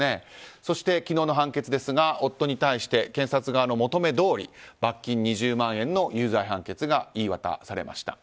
そして、昨日の判決ですが夫に対して検察側の求めどおり罰金２０万円の有罪判決が言い渡されました。